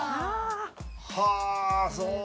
はあそう